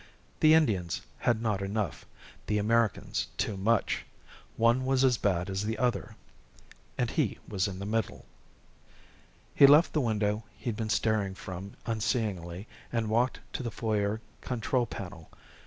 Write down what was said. The Indians had not enough, the Americans, too much. One was as bad as the other. And he was in the middle. He left the window he'd been staring from unseeingly and walked to the foyer control panel.